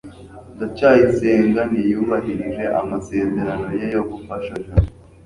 ndacyayisenga ntiyubahirije amasezerano ye yo gufasha jabo